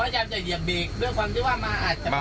พระเจ้าจะเหยียบเบรกด้วยความที่ว่ามาอาจจะมาไว